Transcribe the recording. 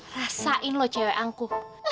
rasain lo cewek angku